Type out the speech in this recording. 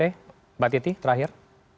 baik mbak titi terakhir